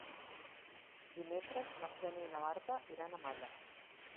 Dimecres na Xènia i na Marta iran a Malla.